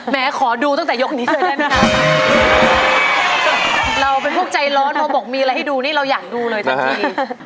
ขอดูตั้งแต่ยกนี้เลยได้ไหมคะเราเป็นพวกใจร้อนพอบอกมีอะไรให้ดูนี่เราอยากดูเลยทันที